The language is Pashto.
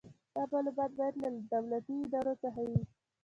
دا معلومات باید له دولتي ادارو څخه وي.